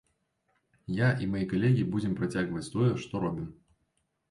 Я і мае калегі будзем працягваць тое, што робім.